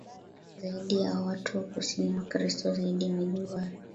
zaidi na watu wa kusini Wakristo zaidi Majimbo ya